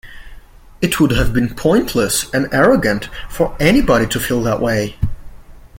It would have been pointless and arrogant for anybody to feel that way.